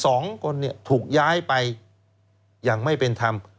ทั้ง๒คนถูกย้ายไปยังไม่เป็นทำ